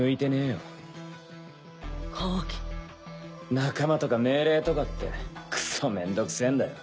仲間とか命令とかってクソめんどくせえんだよ。